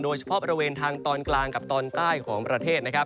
โดยเฉพาะบริเวณทางตอนกลางกับตอนใต้ของประเทศนะครับ